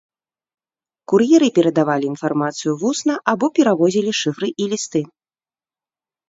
Кур'еры перадавалі інфармацыю вусна або перавозілі шыфры і лісты.